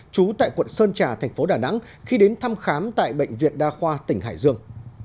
trú tại quận sơn trà thành phố đà nẵng khi đến thăm khám tại bệnh viện đa khoa tỉnh hải dương